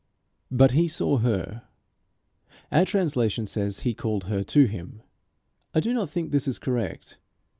But he saw her. Our translation says he called her to him. I do not think this is correct.